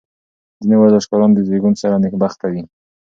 ځینې ورزشکاران د زېږون سره نېکبخته وي.